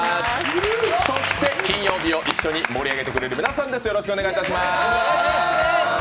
金曜日を一緒に盛り上げてくれる皆さんです。